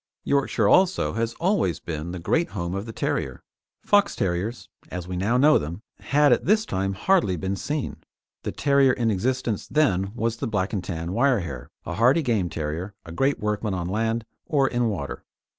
Yorkshire also has always been the great home of the terrier. Fox terriers, as we now know them, had at this time hardly been seen. The terrier in existence then was the Black and Tan wire hair, a hardy game terrier, a great workman on land or in water.